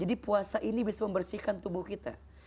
jadi puasa ini bisa membersihkan tubuh kita